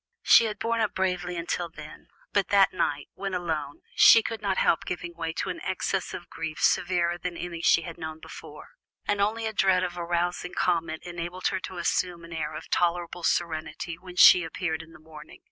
She had borne up bravely until then, but that night, when alone, she could not help giving way to an access of grief severer than any she had known before, and only a dread of arousing comment enabled her to assume an air of tolerable serenity when she appeared in the morning.